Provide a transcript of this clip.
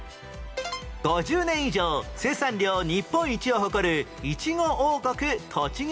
５０年以上生産量日本一を誇るいちご王国栃木県